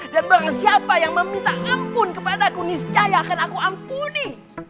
dan barang siapa yang meminta ampun kepadaku niscaya akan aku ampuni